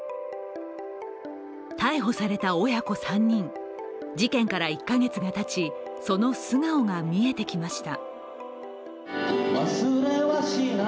逮捕された親子３人、事件から１か月がたち、その素顔が見えてきました。